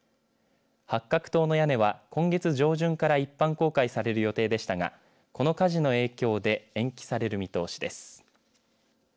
八角塔の屋根は今月上旬から一般公開される予定でしたがこの火事の影響で延期される見通しです。